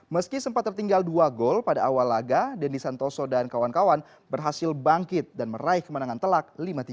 meski sempat tertinggal dua gol pada awal laga denny santoso dan kawan kawan berhasil bangkit dan meraih kemenangan telak lima tiga